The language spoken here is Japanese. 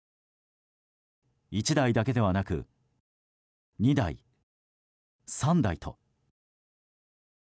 １台だけではなく２台、３台と。